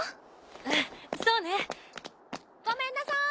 うんそうね。ごめんなさい。